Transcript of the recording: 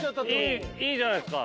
いいじゃないですか。